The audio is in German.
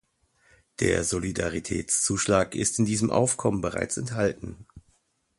Der Solidaritätszuschlag ist in diesem Aufkommen bereits enthalten.